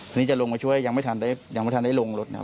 พอนี้จะลงมาช่วยยังไม่ทันได้ลงรถ